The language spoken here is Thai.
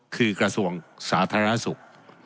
คือกระทรวงสาธารณสุข